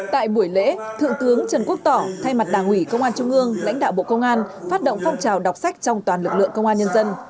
tại buổi lễ thượng tướng trần quốc tỏ thay mặt đảng ủy công an trung ương lãnh đạo bộ công an phát động phong trào đọc sách trong toàn lực lượng công an nhân dân